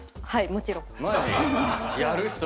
はいもちろん。やる？